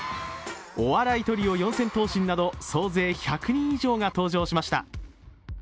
お笑いトリオ・四千頭身など総勢１００人以上が登場しました。